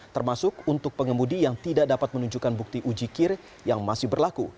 termasuk untuk pengemudi yang tidak dapat menunjukkan bukti uji kir yang masih berlaku